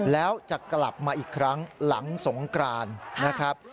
แล้วจะกลับมาอีกครั้งหลังสงกรานนะครับ